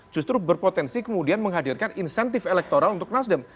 justru berpotensi kemudian menghadirkan insentif elektoral untuk nasdem